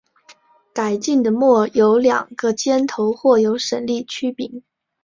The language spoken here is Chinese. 改进的耒有两个尖头或有省力曲柄。